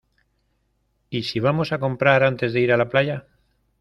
Y si vamos a comprar antes de ir a la playa.